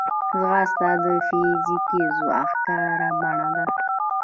ځغاسته د فزیکي ځواک ښکاره بڼه ده